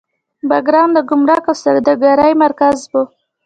بګرام د ګمرک او سوداګرۍ مرکز و